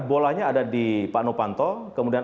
bolanya ada di pak nopanto kemudian